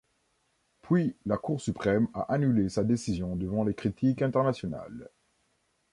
Puis la Cour suprême a annulé sa décision devant les critiques internationales.